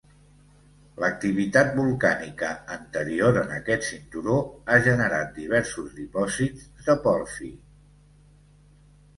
L'activitat volcànica anterior en aquest cinturó ha generat diversos dipòsits de pòrfir.